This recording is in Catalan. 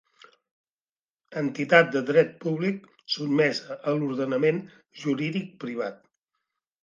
Entitat de Dret Públic sotmesa a l'ordenament jurídic privat.